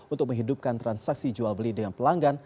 untuk menghidupkan transaksi jual beli dengan pelanggan